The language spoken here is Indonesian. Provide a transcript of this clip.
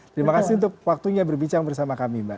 terima kasih untuk waktunya berbicara bersama kami mbak